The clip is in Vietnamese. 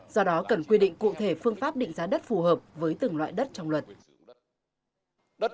do đó cần quy định cụ thể phương pháp định giá đất phù hợp với từng loại đất trong luật